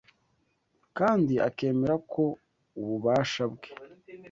kandi akemera ko ububasha bwe